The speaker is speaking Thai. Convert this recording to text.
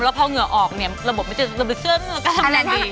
แล้วถ้าเงื่อออกระบบไม่ถึงอึดซึ่งก็ทำงานดี